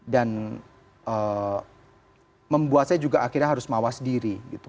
dan membuat saya juga akhirnya harus mawas diri gitu